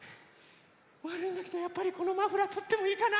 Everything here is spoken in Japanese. わるいんだけどやっぱりこのマフラーとってもいいかな？